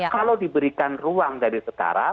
kalau diberikan ruang dari sekarang